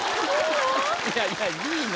いやいや「良いの？」